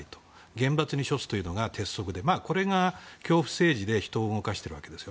厳罰に処すというのが鉄則でこれが恐怖政治で人を動かしているわけです。